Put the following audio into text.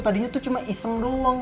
tadinya tuh cuma iseng doang